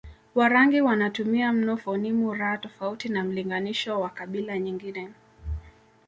Warangi wanatumia mno fonimu r tofauti na mlinganisho wa kabila nyingine